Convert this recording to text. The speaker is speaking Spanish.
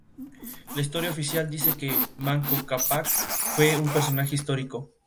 La historia oficial dice que Manco Cápac fue un personaje histórico.